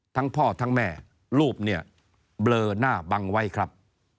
ทั้งพ่อทั้งแม่รูปเนี่ยเบลอหน้าบังไว้ครับ